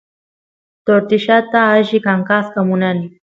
tortillata alli kankasqa munani